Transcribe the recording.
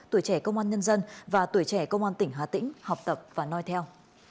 tuổi trẻ công an nhân dân và tuổi trẻ công an tỉnh hà tĩnh học tập và nói theo